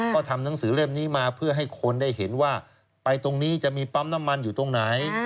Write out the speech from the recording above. ก็ทำหนังสือเล่มนี้มาเพื่อให้คนได้เห็นว่าไปตรงนี้จะมีปั๊มน้ำมันอยู่ตรงไหน